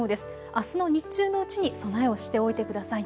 あすの日中のうちに備えをしておいてください。